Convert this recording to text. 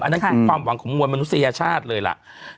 นั่นคือความหวังของมวลมนุษยชาติเลยล่ะ